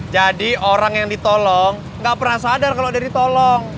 jadi orang yang ditolong gak pernah sadar kalau udah ditolong